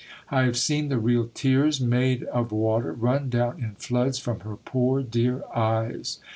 I have seen the real tears, made of water, run down in floods from her poor dear eyes.